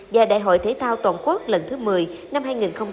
và đại hội thế thao toàn quốc lần thứ một mươi năm hai nghìn hai mươi